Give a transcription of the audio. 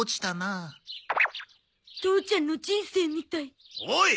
父ちゃんの人生みたい。